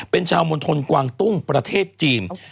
เป็นชาวมณฑลกวางตุ้งประเทศจีน